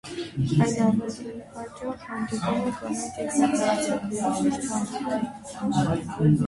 Այն ավելի հաճախ հանդիպում է կանանց և մեծահասակների շրջանում։